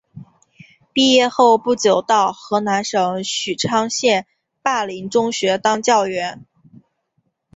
毕业后不久到河南省许昌县灞陵中学当教员。